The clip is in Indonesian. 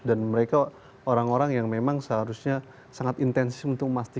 dan mereka orang orang yang memang seharusnya sangat intensif untuk memanfaatkan